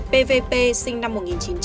pvp sinh năm một nghìn chín trăm chín mươi năm